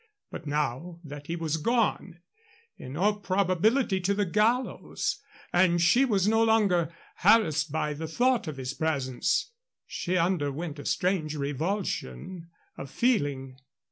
But now that he was gone in all probability to the gallows and she was no longer harassed by the thought of his presence, she underwent a strange revulsion of feeling.